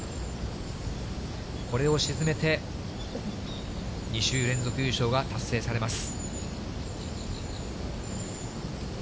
これを沈めて、２週連続優勝が達成されます。